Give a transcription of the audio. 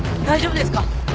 大丈夫ですか？